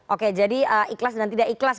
oke jadi ikhlas dan tidak ikhlas